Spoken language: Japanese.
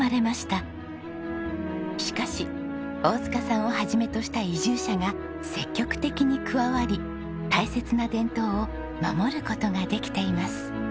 しかし大塚さんを始めとした移住者が積極的に加わり大切な伝統を守る事ができています。